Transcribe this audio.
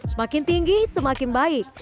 semakin tinggi semakin baik